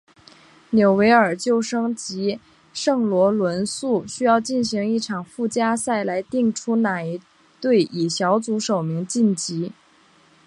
纽维尔旧生及圣罗伦素需要进行一场附加赛来定出哪一队以小组首名晋级。